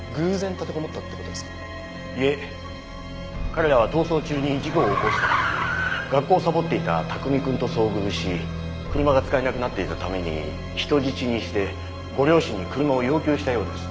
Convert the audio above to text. いえ彼らは逃走中に事故を起こした時学校をサボっていた卓海くんと遭遇し車が使えなくなっていたために人質にしてご両親に車を要求したようです。